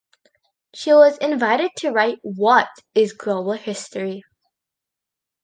She was invited to write What is Global History?